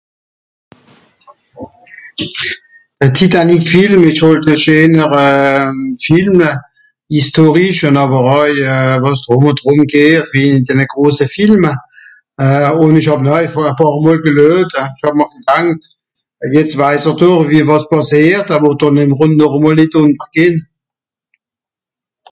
Titanic est un bon film, historique, avec tout ce qui fait les grands films je l'ai regardé plusieurs fois en me disant : sachant ce qui arrivera, il ne va peut être pas sombrer